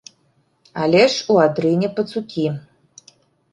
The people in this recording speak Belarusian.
Але ж у адрыне пацукі.